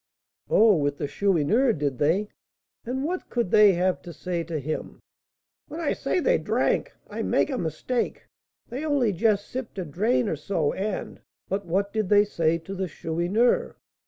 "Oh, with the Chourineur, did they? And what could they have to say to him?" "When I say they drank, I make a mistake; they only just sipped a drain or so, and " "But what did they say to the Chourineur?"